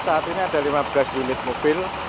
saat ini ada lima belas unit mobil